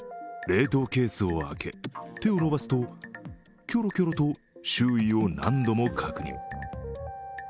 冷凍ケースを開け、手を伸ばすとキョロキョロと周囲を何度も確認。